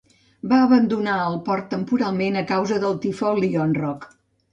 Va abandonar el port temporalment a causa del tifó Lionrock.